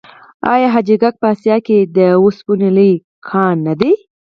آیا حاجي ګک په اسیا کې د وسپنې لوی کان دی؟